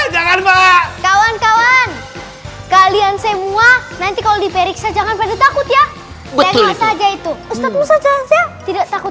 jangan kau kalian semua nanti kalau diperiksa jangan takut ya betul saja itu tidak takut